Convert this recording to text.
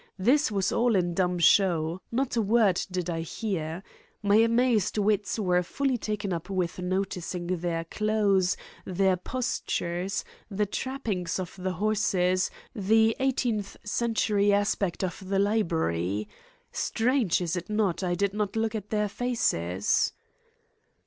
This was all in dumb show. Not a word did I hear. My amazed wits were fully taken up with noting their clothes, their postures, the trappings of the horses, the eighteenth century aspect of the library. Strange, is it not, I did not look at their faces?"